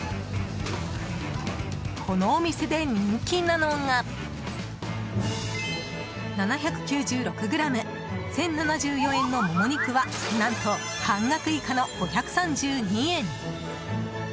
このお店で人気なのが７９６ｇ、１０７４円のモモ肉は何と半額以下の５３２円。